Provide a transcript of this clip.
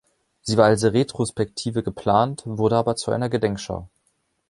Sie war als Retrospektive geplant, wurde aber zu einer Gedenkschau.